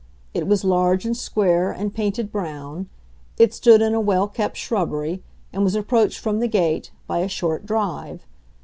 It was large and square and painted brown; it stood in a well kept shrubbery, and was approached, from the gate, by a short drive.